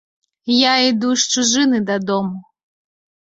Я іду з чужыны дадому.